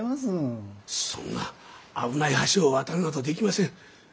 そんな危ない橋を渡るなどできません。